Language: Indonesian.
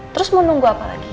terus mau nunggu apa lagi